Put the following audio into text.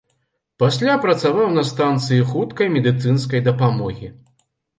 Пасля працаваў на станцыі хуткай медыцынскай дапамогі.